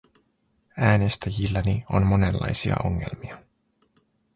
Äänestäjilläni on monenlaisia ongelmia.